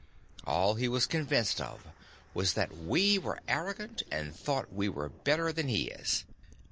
All he was convinced of was that we were arrogant and thought we were better than he is.